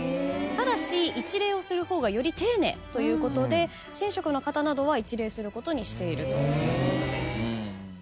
ただし一礼をする方がより丁寧ということで神職の方などは一礼することにしているということです。